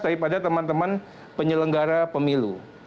daripada teman teman penyelenggara pemilu